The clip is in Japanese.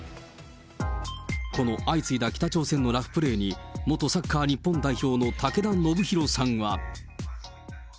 この相次いだ北朝鮮のラフプレーに、元サッカー日本代表の武田修宏さんは。